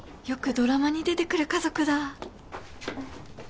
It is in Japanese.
よくドラマに出てくる家族だ